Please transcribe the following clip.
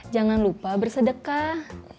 jangan lupa bersedekah